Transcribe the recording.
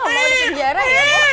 gue gak mau di penjara ya